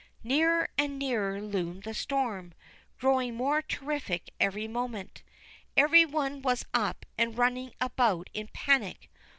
Nearer and nearer loomed the storm, growing more terrific every moment. Every one was up and running about in panic.